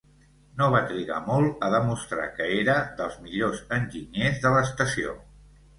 No va trigar molt a demostrar que era dels millors enginyers de l'estació.